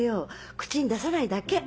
口に出さないだけ。